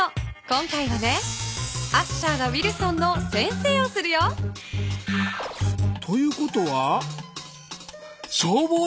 今回はねアッシャーがウィルソンの先生をするよ。ということはしょうぼうトレーニングだね。